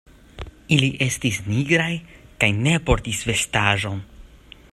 Ili estis nigraj, kaj ne portis vestaĵon.